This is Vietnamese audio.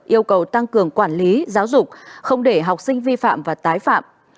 yêu cầu tăng cường quản lý giáo dục không để học sinh vi phạm và tái phạm